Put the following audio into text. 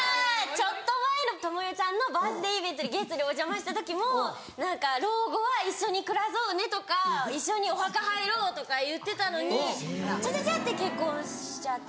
ちょっと前のともよちゃんのバースデーイベントにゲストでお邪魔した時も何か「老後は一緒に暮らそうね」とか「一緒にお墓入ろう」とか言ってたのにちゃちゃちゃって結婚しちゃって。